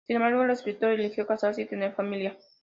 Sin embargo, el escritor eligió casarse y tener familia.